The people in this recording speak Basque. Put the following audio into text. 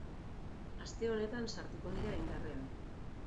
Aste honetan sartuko dira indarrean.